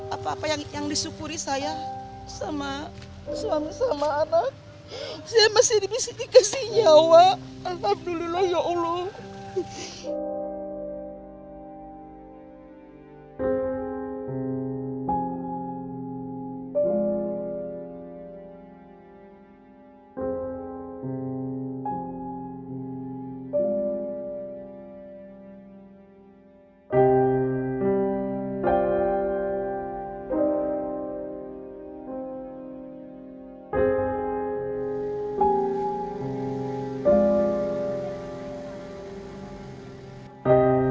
apa apa yang disyukuri saya sama suami sama anak saya masih di sini kasih nyawa alhamdulillah ya allah